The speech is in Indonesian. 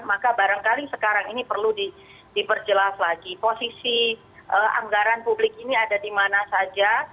maka barangkali sekarang ini perlu diperjelas lagi posisi anggaran publik ini ada di mana saja